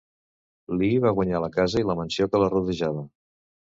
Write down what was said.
Lee va guanyar la casa i la mansió que la rodejava.